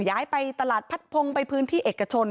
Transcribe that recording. ย้ายไปตลาดพัดพงศ์ไปพื้นที่เอกชน